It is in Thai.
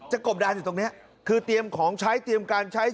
หาวหาวหาวหาวหาวหาวหาวหาวหาวหาว